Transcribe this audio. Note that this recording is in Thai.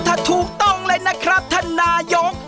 ถ้าถูกต้องเลยนะครับท่านนายก